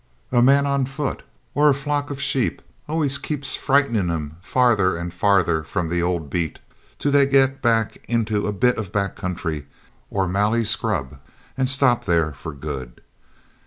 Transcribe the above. A man on foot or a flock of sheep always keeps frightening 'em farther and farther from the old beat till they get back into a bit of back country or mallee scrub and stop there for good.